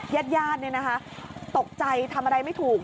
ญาติตกใจทำอะไรไม่ถูก